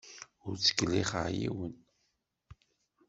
Ur ttkellixeɣ yiwen.